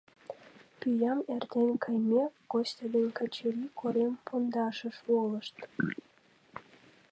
Пӱям эртен каймек, Костя ден Качырий корем пундашыш волышт.